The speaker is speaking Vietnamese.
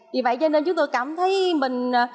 vì vậy cho nên chúng tôi cảm thấy mình